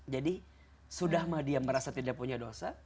jadi sudah mah dia merasa tidak punya dosa